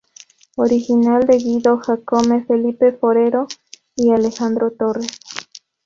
Original de Guido Jácome, Felipe Forero y Alejandro Torres.